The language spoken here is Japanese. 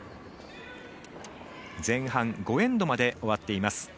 前半５エンドまで終わっています。